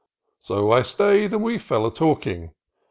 So I stayed, and we fell a talking.